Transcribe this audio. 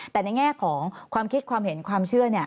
แต่ในแง่ของความคิดความเห็นความเชื่อ